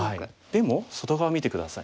でも外側見て下さい。